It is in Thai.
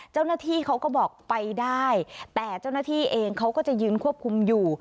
เจ้าหน้าที่เขาก็บอกไปได้แต่เจ้าหน้าที่เองเขาก็จะยืนควบคุมอยู่